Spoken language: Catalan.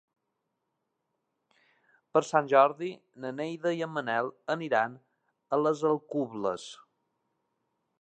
Per Sant Jordi na Neida i en Manel aniran a les Alcubles.